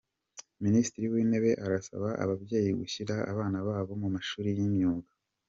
Minisitiri w’Intebe arasaba ababyeyi gushyira abana babo mu mashuri y’imyuga